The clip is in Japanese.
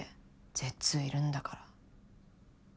絶弐いるんだから。